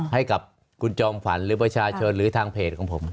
ให้กับคุณจองฝันประชาชนหรือทางเพจของผม